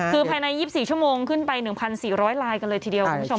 คือภายใน๒๔ชั่วโมงขึ้นไป๑๔๐๐ลายกันเลยทีเดียวคุณผู้ชม